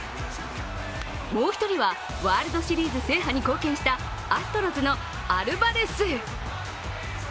もう一人はワールドシリーズ制覇に貢献したアストロズのアルバレス。